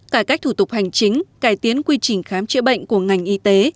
cải cách thủ tục hành chính cải tiến quy trình khám chữa bệnh của ngành y tế